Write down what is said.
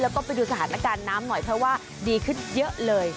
แล้วก็ไปดูสถานการณ์น้ำหน่อยเพราะว่าดีขึ้นเยอะเลย